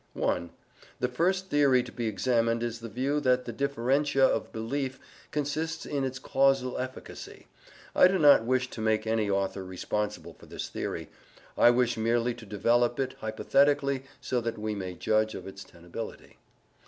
(1) The first theory to be examined is the view that the differentia of belief consists in its causal efficacy I do not wish to make any author responsible for this theory: I wish merely to develop it hypothetically so that we may judge of its tenability.